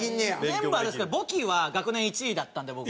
全部あるんですけど簿記は学年１位だったんで僕。